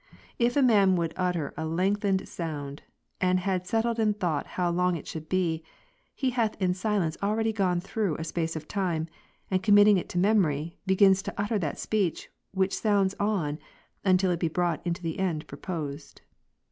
If a man would utter a lengthened sound, and had settled in thought how long it should be, he hath in silence already gone through a space of time, and committing it to me • mory, begins to utter that speech, which sounds on, until it be brought unto the end proposed.